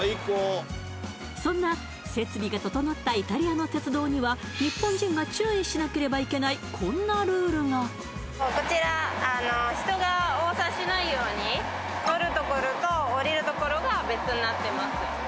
そんな設備が調ったイタリアの鉄道には日本人が注意しなければいけないこんなルールが乗るところと降りるところが別になってます